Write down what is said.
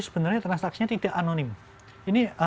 sebenarnya transaksinya tidak anonim ini